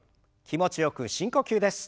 気持ちよく深呼吸です。